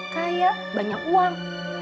kayak banyak uang